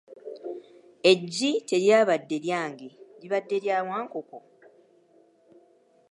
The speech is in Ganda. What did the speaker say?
Eggi teryabadde lyange libadde lya Wankoko,